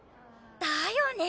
だよね。